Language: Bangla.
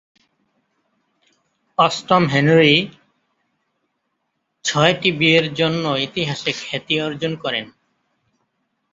অষ্টম হেনরি ছয়টি বিয়ের জন্য ইতিহাসে খ্যাতি অর্জন করেন।